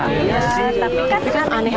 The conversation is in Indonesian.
iya tapi kan aneh aja